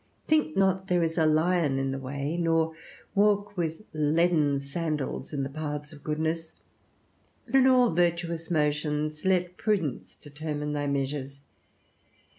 Think not there is a lion in the way, nor walk with leaden sandals in the paths of goodness; but in all virtuous motions let prudence determine thy measures.